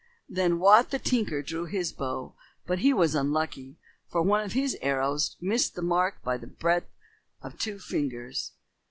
Then Wat the Tinker drew his bow; but he was unlucky, for one of his arrows missed the mark by the breadth of two fingers.